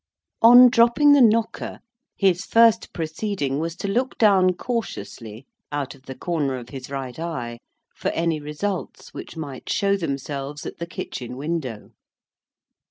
On dropping the knocker, his first proceeding was to look down cautiously out of the corner of his right eye, for any results which might show themselves at the kitchen window.